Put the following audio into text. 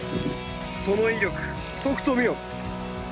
その威力とくと見よ。